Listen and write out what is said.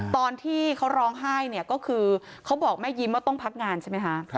ตอนที่เขาร้องไห้เนี่ยก็คือเขาบอกแม่ยิ้มว่าต้องพักงานใช่ไหมคะ